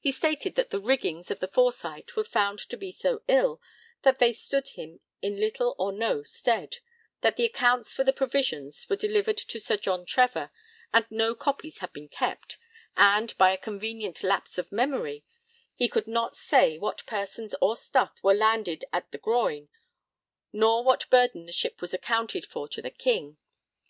He stated that the 'riggings' of the Foresight were 'found to be so ill that they stood him in little or no stead,' that the accounts for the provisions were delivered to Sir John Trevor and no copies had been kept, and, by a convenient lapse of memory, he could not say what persons or stuff were landed at the Groyne 'nor what burden the ship was accounted for to the King.'